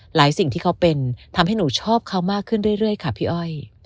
สิ่งที่เขาเป็นทำให้หนูชอบเขามากขึ้นเรื่อยค่ะพี่อ้อย